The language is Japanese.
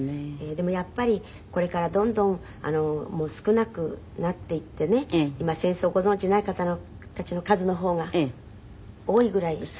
でもやっぱりこれからどんどん少なくなっていってね今戦争ご存じない方たちの数の方が多いぐらいでしょ？